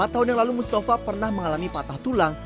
empat tahun yang lalu mustafa pernah mengalami patah tulang